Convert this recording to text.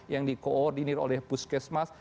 yang di koordinir oleh puskesmas